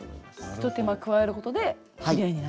ひと手間加えることできれいになる。